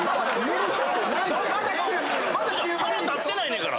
腹立ってないねんやから。